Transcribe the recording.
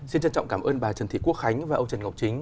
xin trân trọng cảm ơn bà trần thị quốc khánh và ông trần ngọc chính